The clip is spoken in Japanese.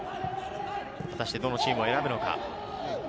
果たしてどのチームを選ぶのか。